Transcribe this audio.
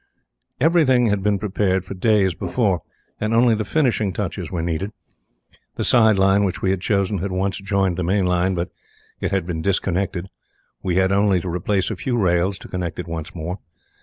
Everything had been prepared for days before, and only the finishing touches were needed. The side line which we had chosen had once joined the main line, but it had been disconnected. We had only to replace a few rails to connect it once more.